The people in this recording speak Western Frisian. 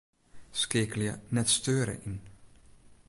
Skeakelje 'net steure' yn.